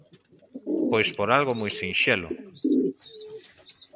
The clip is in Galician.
Pois por algo moi sinxelo.